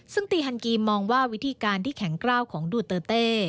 ซึ่งตีฮันกีมองว่าวิธีการที่แข็งกล้าวของดูเตอร์เต้